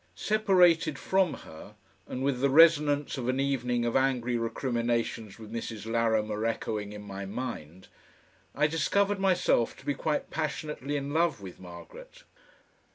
Separated from her, and with the resonance of an evening of angry recriminations with Mrs. Larrimer echoing in my mind, I discovered myself to be quite passionately in love with Margaret.